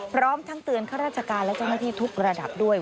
พร้อมทั้งเตือนข้าราชการและเจ้าหน้าที่ทุกระดับด้วย